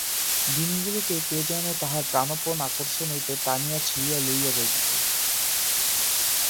দিনগুলিকে কে যেন তাহার প্রাণপণ আকর্ষণ হইতে টানিয়া ছিঁড়িয়া লইয়া যাইতেছে।